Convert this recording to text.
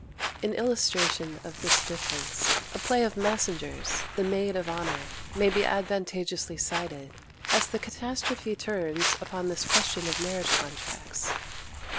In illustration of this difference, a play of Massinger's, "The Maid of Honour," may be advantageously cited, as the catastrophe turns upon this question of marriage contracts.